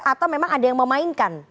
atau memang ada yang memainkan